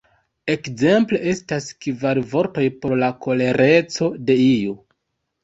Ekzemple, estas kvar vortoj por la kolereco de iu